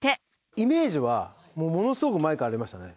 イメージは、もうものすごい前からありましたね。